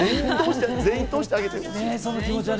全員通してあげてほしい。